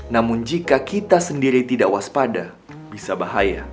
namun jika kita sendiri tidak waspada bisa bahaya